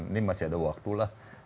ini masih ada waktulah